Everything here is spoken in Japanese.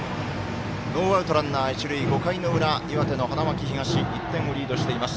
ノーアウト、ランナー、一塁５回の裏、岩手、花巻東１点をリードしています。